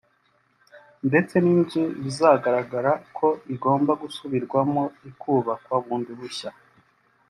ndetse n’inzu bizagaragara ko igomba gusubirwamo ikubakwa bundi bushya